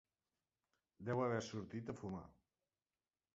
Deu haver sortit a fumar.